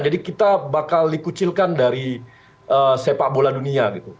jadi kita bakal dikucilkan dari sepak bola dunia gitu